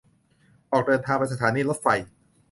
ออกเดินทางไปสถานีรถไฟ